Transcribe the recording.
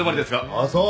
ああそう。